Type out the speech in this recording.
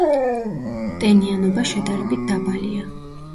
ტენიანობა შედარებით დაბალია.